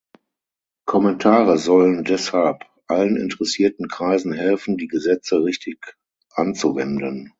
Kommentare sollen deshalb allen interessierten Kreisen helfen, die Gesetze richtig anzuwenden.